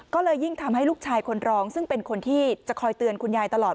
ก็เลยยิ่งทำให้ลูกชายคนรองซึ่งเป็นคนที่จะคอยเตือนคุณยายตลอด